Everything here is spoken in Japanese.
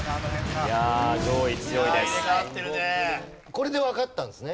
これでわかったんですね。